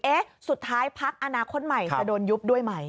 เอ๊ะสุดท้ายพักอนาคตใหม่จะโดนยุบด้วยไหม